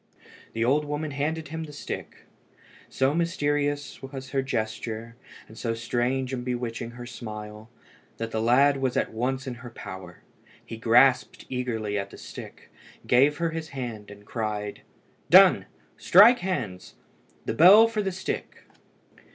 The old woman handed him the stick. So mysterious was her gesture, and so strange and bewitching her smile, that the lad was at once in her power. He grasped eagerly at the stick, gave her his hand, and cried "Done! strike hands! The bell for the stick!"